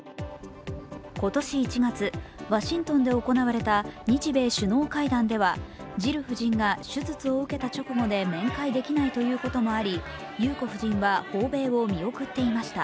今年１月、ワシントンで行われた日米首脳会談ではジル夫人が手術を受けた直後で面会できないということもあり、裕子夫人は訪米を見送っていました。